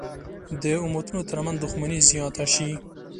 د امتونو تر منځ دښمني زیاته شي.